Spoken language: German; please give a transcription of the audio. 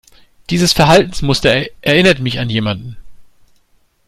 Dieses Verhaltensmuster erinnert mich an jemanden.